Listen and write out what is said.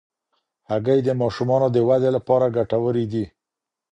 هګۍ د ماشومانو د ودې لپاره ګټورې دي.